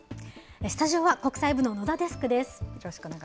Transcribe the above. スタジオは国際部の野田デスクです。